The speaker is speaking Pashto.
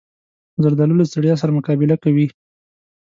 زردالو له ستړیا سره مقابله کوي.